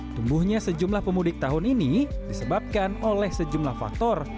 tumbuhnya sejumlah pemudik tahun ini disebabkan oleh sejumlah faktor